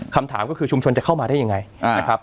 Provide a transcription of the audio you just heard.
คำถามก็คือชุมชนจะเข้ามาได้ยังไงนะครับ